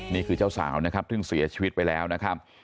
นี่คือเจ้าสาวนะครับซึ่งเสียชีวิตไปแล้วนะครับ